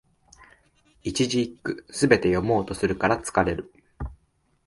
一字一句、すべて読もうとするから疲れる